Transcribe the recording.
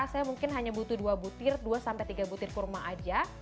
saya mungkin hanya butuh dua tiga butir kurma aja